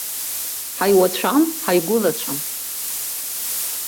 Ҳаиуацәам, ҳаигәылацәам.